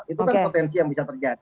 itu kan potensi yang bisa terjadi